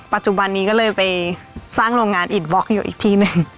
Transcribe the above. ปัจจุบันนี้ก็เลยไปสร้างโรงงานอินบล็อกอยู่อีกที่หนึ่ง